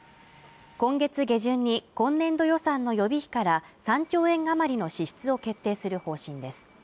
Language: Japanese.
今月下旬に今年度予算の予備費から３兆円余りの支出を決定する方針です